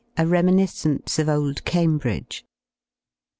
A REMINISCENCE OF OLD CAMBRIDGE.